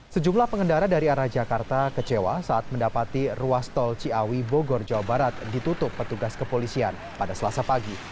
sejumlah pengendara dari arah jakarta kecewa saat mendapati ruas tol ciawi bogor jawa barat ditutup petugas kepolisian pada selasa pagi